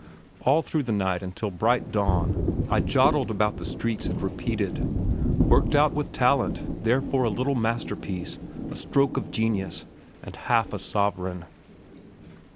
All through the night until the bright dawn I "jodled" about the streets and repeated "Worked out with talent therefore a little masterpiece a stroke of genius and half a sovereign."